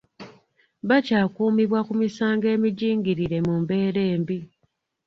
Bakyakuumibwa ku misango emijingirire mu mbeera embi.